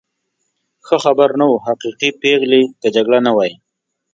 ښه خبر نه و، حقیقي پېغلې، که جګړه نه وای.